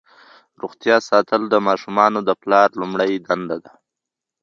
روغتیا ساتل د ماشومانو د پلار لومړنۍ دنده ده.